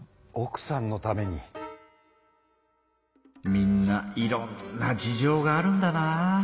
みんないろんな事情があるんだな。